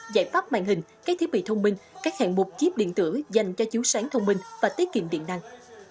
giải pháp màn hình các thiết bị thông minh các hạng mục chip điện tử dành cho chiếu sáng thông minh và tiết kiệm điện năng